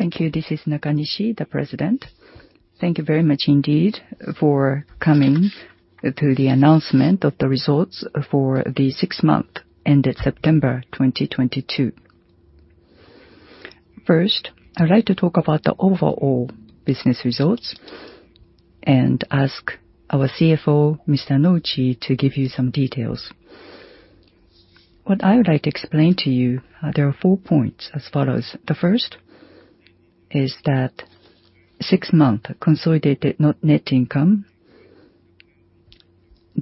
Thank you. This is Nakanishi, the President. Thank you very much indeed for coming to the announcement of the results for the six-month ended September 2022. First, I would like to talk about the overall business results and ask our CFO, Mr. Nouchi, to give you some details. What I would like to explain to you, there are four points as follows. The first is that six-month consolidated net income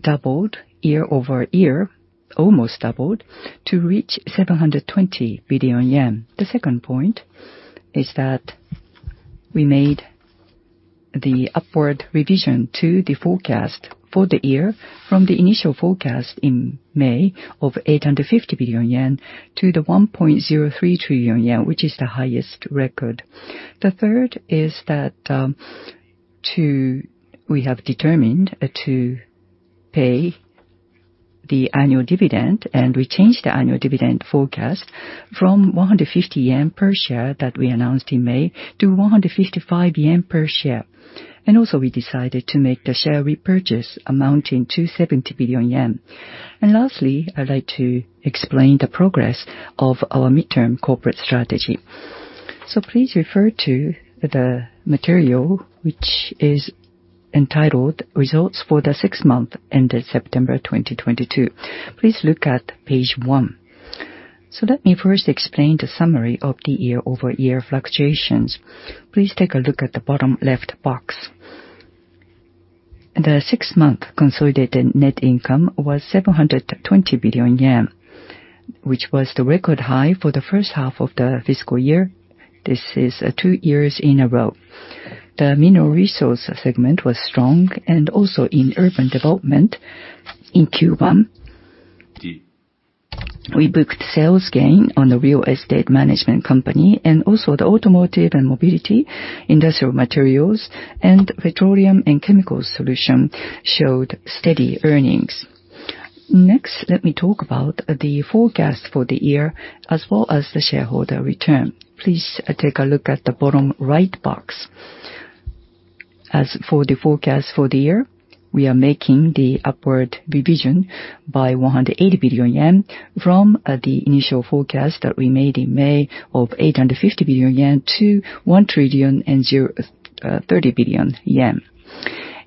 doubled year-over-year, almost doubled, to reach 720 billion yen. The second point is that we made the upward revision to the forecast for the year from the initial forecast in May of 850 billion yen to 1.03 trillion yen, which is the highest record. The third is that, to We have determined to pay the annual dividend, and we changed the annual dividend forecast from 150 yen per share that we announced in May to 155 yen per share. We also decided to make the share repurchase amounting to 70 billion yen. Lastly, I'd like to explain the progress of our Midterm Corporate Strategy. Please refer to the material which is entitled Results for the Sixth Month Ended September 2022. Please look at page one. Let me first explain the summary of the year-over-year fluctuations. Please take a look at the bottom left box. The six-month consolidated net income was 720 billion yen, which was the record high for the first half of the fiscal year. This is two years in a row. The Mineral Resources segment was strong, and also in Urban Development in Q1. We booked sales gain on the real estate management company and also the Automotive & Mobility, Industrial Materials, and Petroleum & Chemicals Solution showed steady earnings. Next, let me talk about the forecast for the year as well as the shareholder return. Please take a look at the bottom right box. As for the forecast for the year, we are making the upward revision by 180 billion yen from the initial forecast that we made in May of 850 billion yen to 1,030 billion yen.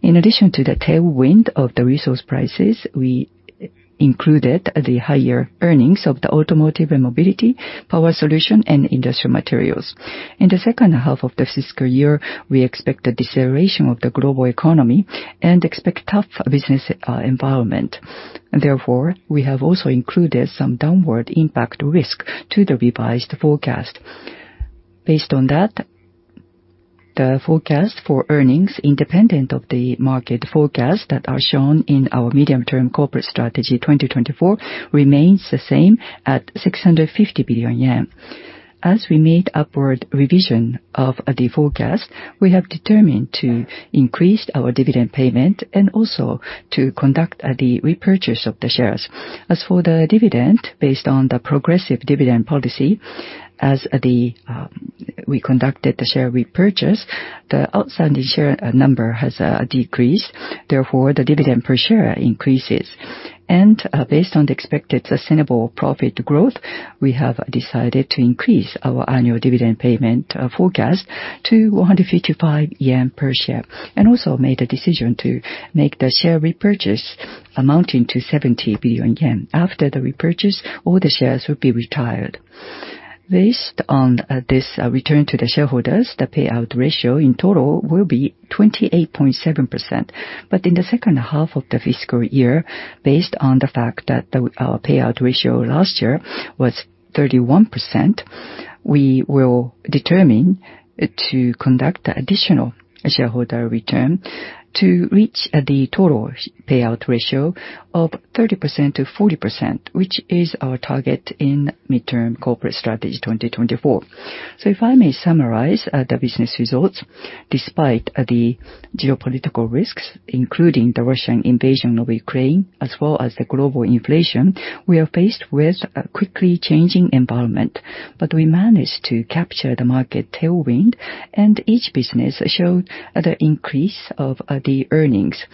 In addition to the tailwind of the resource prices, we included the higher earnings of the Automotive & Mobility, Power Solution, and Industrial Materials. In the second half of the fiscal year, we expect a deceleration of the global economy and expect tough business environment. Therefore, we have also included some downward impact risk to the revised forecast. Based on that, the forecast for earnings, independent of the market forecast that are shown in our Midterm Corporate Strategy 2024, remains the same at 650 billion yen. As we made upward revision of the forecast, we have determined to increase our dividend payment and also to conduct the repurchase of the shares. As for the dividend, based on the progressive dividend policy, as the we conducted the share repurchase, the outstanding share number has decreased, therefore the dividend per share increases. Based on the expected sustainable profit growth, we have decided to increase our annual dividend payment forecast to 155 yen per share, and also made a decision to make the share repurchase amounting to 70 billion yen. After the repurchase, all the shares will be retired. Based on this return to the shareholders, the payout ratio in total will be 28.7%. In the second half of the fiscal year, based on the fact that our payout ratio last year was 31%, we will determine to conduct additional shareholder return to reach the total payout ratio of 30%-40%, which is our target in Midterm Corporate Strategy 2024. If I may summarize the business results. Despite the geopolitical risks, including the Russian invasion of Ukraine, as well as the global inflation, we are faced with a quickly changing environment. We managed to capture the market tailwind, and each business showed the increase of the earnings.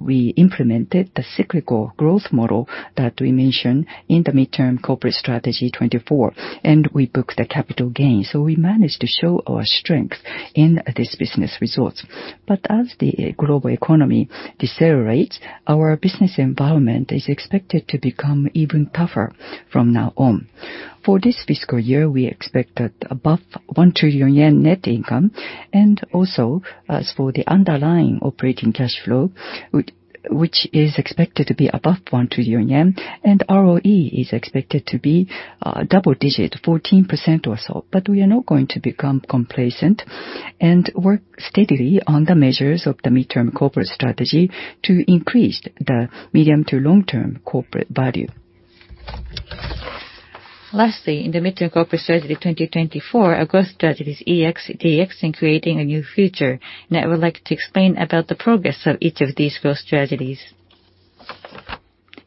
We implemented the cyclical growth model that we mentioned in the Midterm Corporate Strategy 2024, and we booked a capital gain. We managed to show our strength in this business results. As the global economy decelerates, our business environment is expected to become even tougher from now on. For this fiscal year, we expect above 1 trillion yen net income. Also as for the underlying operating cash flow, which is expected to be above 1 trillion yen, and ROE is expected to be double-digit, 14% or so. We are not going to become complacent, and work steadily on the measures of the Midterm Corporate Strategy to increase the medium to long-term corporate value. Lastly, in the Midterm Corporate Strategy 2024, our growth strategy is EX, DX, and creating a new future. Now I would like to explain about the progress of each of these growth strategies.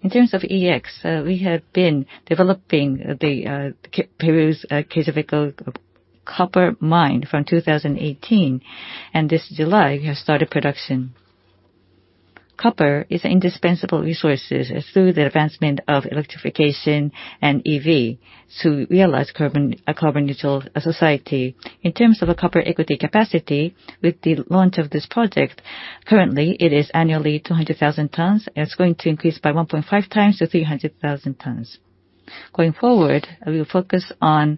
In terms of EV, we have been developing Peru's Quellaveco Copper Mine from 2018, and this July we have started production. Copper is indispensable resources through the advancement of electrification and EV to realize carbon-neutral society. In terms of copper equity capacity with the launch of this project, currently it is annually 200,000 tons, and it's going to increase by 1.5 times to 300,000 tons. Going forward, we will focus on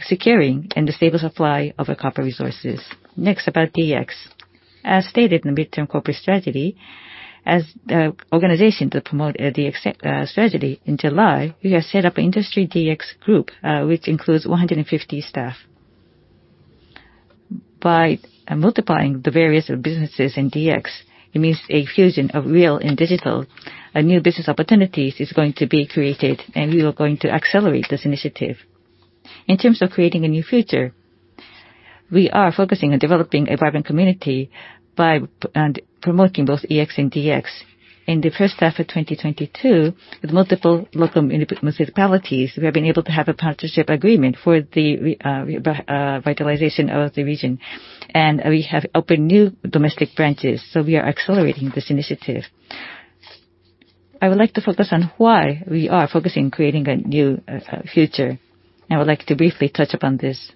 securing and the stable supply of our copper resources. Next about DX. As stated in the Midterm Corporate Strategy, as the organization to promote a DX strategy, in July, we have set up Industry DX Group, which includes 150 staff. By multiplying the various businesses in DX, it means a fusion of real and digital. A new business opportunities is going to be created, and we are going to accelerate this initiative. In terms of creating a new future, we are focusing on developing a vibrant community by promoting both EX and DX. In the first half of 2022, with multiple local municipalities, we have been able to have a partnership agreement for the revitalization of the region. We have opened new domestic branches, so we are accelerating this initiative. I would like to focus on why we are focusing creating a new future. I would like to briefly touch upon this.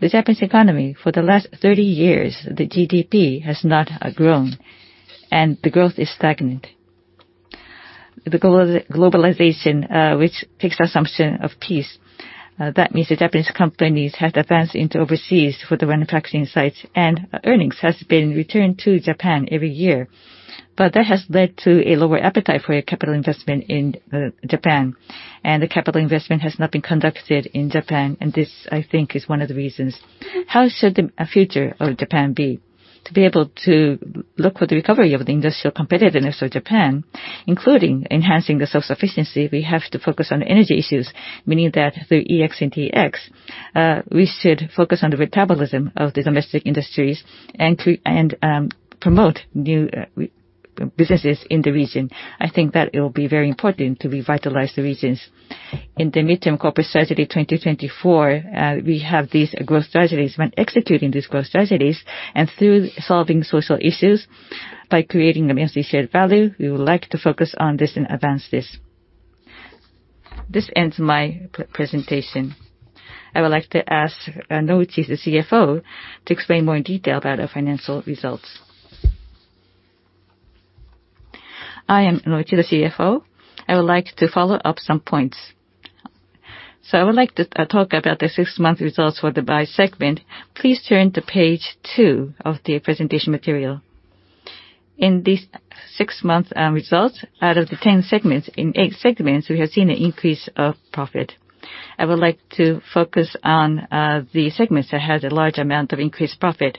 The Japanese economy for the last 30 years, the GDP has not grown and the growth is stagnant. The globalization, which takes assumption of peace, that means the Japanese companies have advanced into overseas for the manufacturing sites and earnings has been returned to Japan every year. That has led to a lower appetite for a capital investment in Japan, and the capital investment has not been conducted in Japan, and this, I think, is one of the reasons. How should the future of Japan be? To be able to look for the recovery of the industrial competitiveness of Japan, including enhancing the self-sufficiency, we have to focus on energy issues, meaning that through EX and DX, we should focus on the metabolism of the domestic industries and promote new businesses in the region. I think that it will be very important to revitalize the regions. In the Midterm Corporate Strategy 2024, we have these growth strategies. When executing these growth strategies and through solving social issues by creating immensely shared value, we would like to focus on this and advance this. This ends my presentation. I would like to ask Nouchi, the CFO, to explain more in detail about our financial results. I am Nouchi, the CFO. I would like to follow up some points. I would like to talk about the six-month results by segment. Please turn to page two of the presentation material. In this six-month results, out of the ten segments, in eight segments, we have seen an increase of profit. I would like to focus on the segments that has a large amount of increased profit.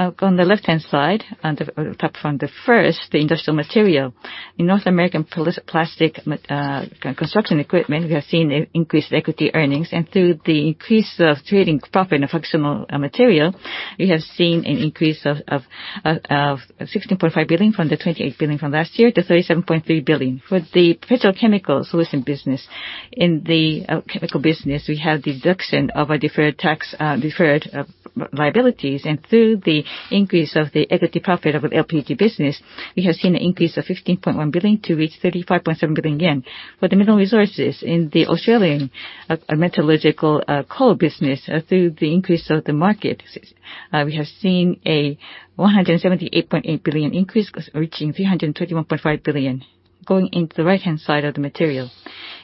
On the left-hand side, on the top from the first, the Industrial Materials. In North American plastic materials, construction equipment, we have seen increased equity earnings, and through the increase of trading profit in the functional material, we have seen an increase of 16.5 billion from the 28 billion from last year to 37.3 billion. For the petrochemical solution business, in the chemical business, we have deduction of a deferred tax liabilities. Through the increase of the equity income of the LPG business, we have seen an increase of 15.1 billion to reach 35.7 billion yen. For the Mineral Resources in the Australian metallurgical coal business, through the increase of the market, we have seen a 178.8 billion increase, reaching 321.5 billion. Going into the right-hand side of the material.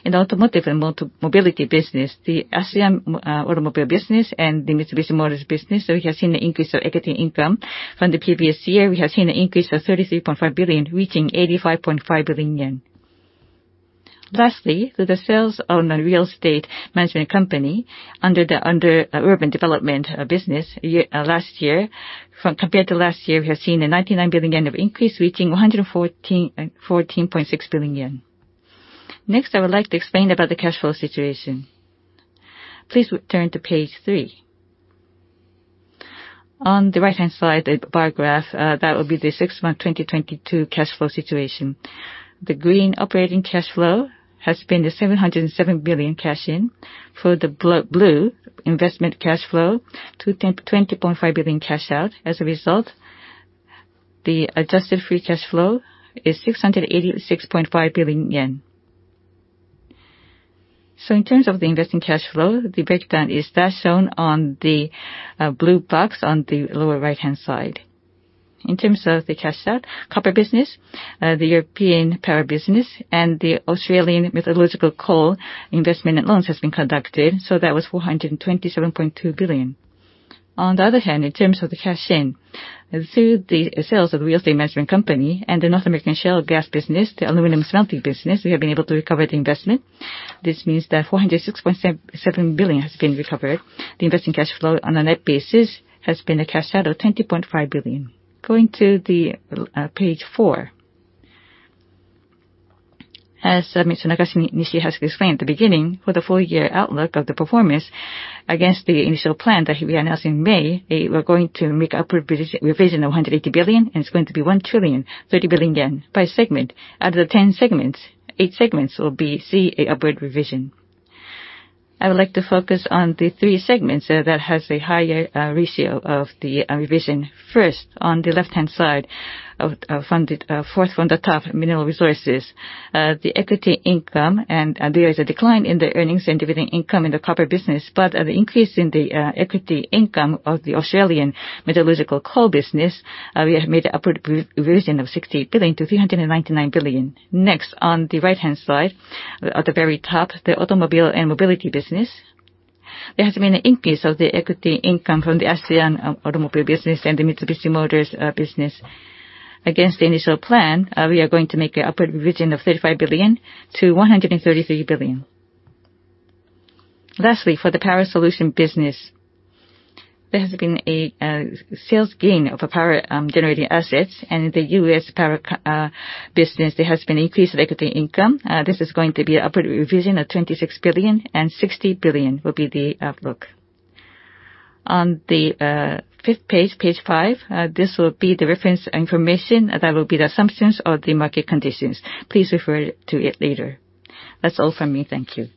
In the Automotive & Mobility business, the ASEAN automobile business and the Mitsubishi Motors business, we have seen an increase of equity income. From the previous year, we have seen an increase of 33.5 billion, reaching 85.5 billion yen. Lastly, through the sales of a real estate management company under the Urban Development business last year. Compared to last year, we have seen an increase of 99 billion yen, reaching 114.6 billion yen. Next, I would like to explain about the cash flow situation. Please turn to page three. On the right-hand side, the bar graph that would be the six-month 2022 cash flow situation. The green operating cash flow has been 707 billion cash in. For the blue investing cash flow, 20.5 billion cash out. As a result, the Adjusted Free Cash Flow is 686.5 billion yen. In terms of the investing cash flow, the breakdown is that shown on the blue box on the lower right-hand side. In terms of the cash out, copper business, the European power business, and the Australian metallurgical coal investment and loans has been conducted, so that was 427.2 billion. On the other hand, in terms of the cash in, through the sales of real estate management company and the North American shale gas business, the aluminum smelting business, we have been able to recover the investment. This means that 406.7 billion has been recovered. The investing cash flow on a net basis has been a cash out of 20.5 billion. Going to page four. As Mr. Nakanishi has explained at the beginning, for the full year outlook of the performance against the initial plan that he announced in May, we are going to make upward revision of 180 billion, and it's going to be 1,030 billion yen by segment. Out of the 10 segments, eight segments will see an upward revision. I would like to focus on the three segments that have a higher ratio of the revision. First, on the left-hand side, from the fourth from the top, Mineral Resources. The equity income and there is a decline in the earnings and dividend income in the copper business, but the increase in the equity income of the Australian metallurgical coal business, we have made an upward revision of 60 billion to 399 billion. Next, on the right-hand side at the very top, the Automotive & Mobility business. There has been an increase of the equity income from the ASEAN automobile business and the Mitsubishi Motors business. Against the initial plan, we are going to make an upward revision of 35 billion to 133 billion. Lastly, for the Power Solution business, there has been a sales gain of power generating assets and the US power business, there has been increased equity income. This is going to be an upward revision of 26 billion, and 60 billion will be the outlook. On the fifth page, this will be the reference information. That will be the assumptions of the market conditions. Please refer to it later. That's all from me. Thank you.